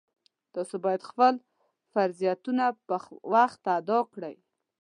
تاسو باید خپل فرضونه په وخت ادا کړئ